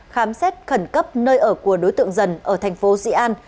khám xét khẩn cấp nơi ở của đối tượng dần ở thành phố dị an